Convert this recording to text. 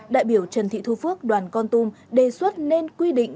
đại biểu trần thị thu phước đoàn contum đề xuất nên quy định